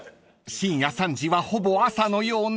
［深夜３時はほぼ朝のような］